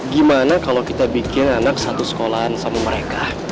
gimana kalau kita bikin anak satu sekolahan sama mereka